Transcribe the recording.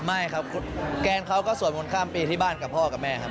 ไม่ครับแกนเขาก็สวดมนต์ข้ามปีที่บ้านกับพ่อกับแม่ครับ